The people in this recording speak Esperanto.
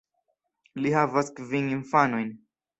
Li havas kvin infanojn.